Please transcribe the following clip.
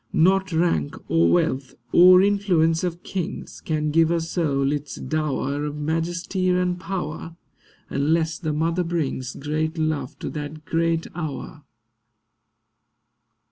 Not rank, or wealth, or influence of kings Can give a soul its dower Of majesty and power, Unless the mother brings Great love to that great hour.